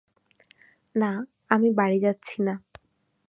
না, আমি বাড়ি যাচ্ছি না।